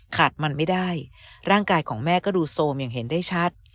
ขาดมันไม่ได้ร่างกายของแม่ก็ดูโซมอย่างเห็นได้ชัด